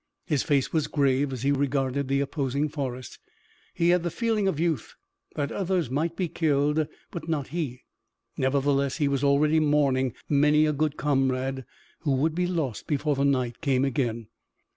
His face was grave as he regarded the opposing forest. He had the feeling of youth that others might be killed, but not he. Nevertheless he was already mourning many a good comrade who would be lost before the night came again.